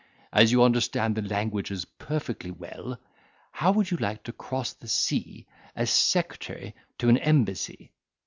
As you understand the languages perfectly well, how would you like to cross the sea as secretary to an embassy?"